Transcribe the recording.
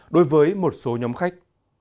đối với một số nhóm khách